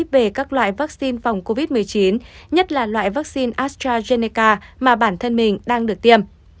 về các loại vaccine phòng covid một mươi chín nhất là loại vaccine astrazeneca mà bản thân mình đang được tiêm